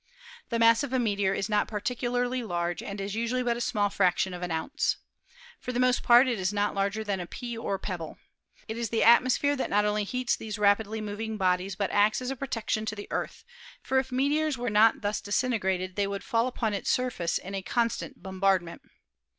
The mass of a meteor is not particularly large and is usually but a small fraction of an ounce. For the most part it is not larger than a pea or pebble. It is the atmosphere that not only heats these rapidly moving bodies but acts as a protection to the Earth, for if meteors were not thus disintegrated they would fall upon its surface in a constant bombardment.